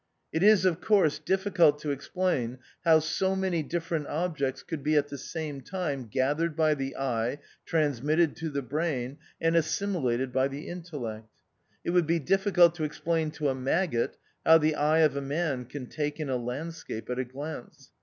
It is of course difficult to ex plain how so many different objects could be at the same time gathered by the eye, transmitted to the brain, and assimilated by the intellect. It would be difficult to ex plain to a maggot how the eye of a man can take in a landscape at a glance.